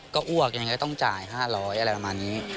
ก็อ้วกยังไงก็ต้องจ่าย๕๐๐อะไรประมาณนี้